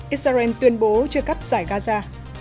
israel tuyên bố chưa cắt giải gaza